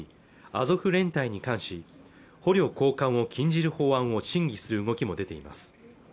アゾフ連隊に関し捕虜交換を禁じる法案を審議する動きも出ています